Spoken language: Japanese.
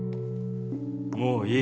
もういい。